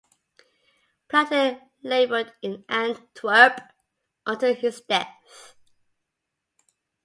Plantin laboured in Antwerp until his death.